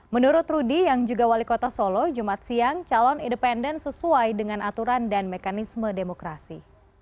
menurut rudy yang juga wali kota solo jumat siang calon independen sesuai dengan aturan dan mekanisme demokrasi